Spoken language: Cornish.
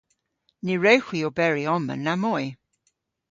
Ny wrewgh hwi oberi omma namoy.